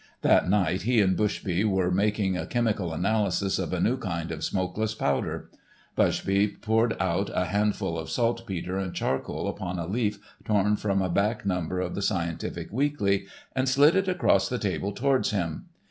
That night he and Bushby were making a chemical analysis of a new kind of smokeless powder. Bushby poured out a handful of saltpeter and charcoal upon a leaf torn from a back number of the Scientific Weekly and slid it across the table towards him.